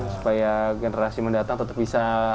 supaya generasi mendatang tetap bisa